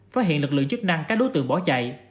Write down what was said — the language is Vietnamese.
phát hiện lực lượng chức năng các đối tượng bỏ chạy